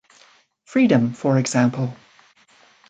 Freedom, for example.